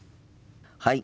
はい。